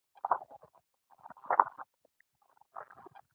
زموږ په نظر د کوټې سیمینار بریالی و.